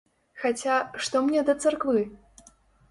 Хаця, што мне да царквы?